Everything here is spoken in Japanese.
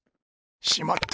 しまった！